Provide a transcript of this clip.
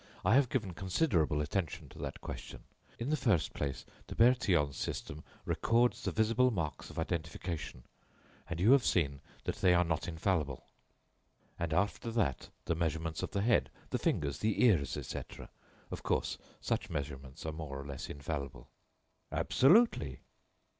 I have given considerable attention to that question. In the first place, the Bertillon system records the visible marks of identification and you have seen that they are not infallible and, after that, the measurements of the head, the fingers, the ears, etc. Of course, such measurements are more or less infallible." "Absolutely."